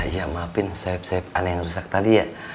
ya maafin sohib sohib aneh yang rusak tadi ya